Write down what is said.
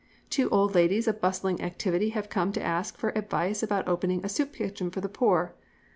Two old ladies of bustling activity have come to ask for advice about opening a soup kitchen for the poor.